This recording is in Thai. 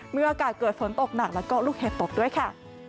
เมื่ออากาศเกิดฝนตกหนักแล้วก็ลูกเห็บตกด้วยค่ะ